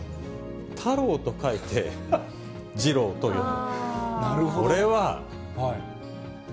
太郎と書いてジロウと読む。